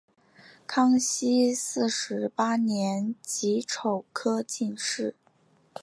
康熙四十八年己丑科进士。